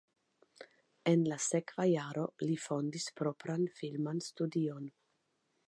En la sekva jaro li fondis propran filman studion.